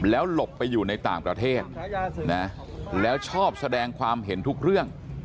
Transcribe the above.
แล้วหลบไปอยู่ในต่างประเทศนะแล้วชอบแสดงความเห็นทุกเรื่อง